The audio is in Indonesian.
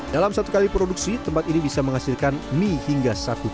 dalam satu kali produksi tempat ini bisa menghasilkan mie hingga satu ton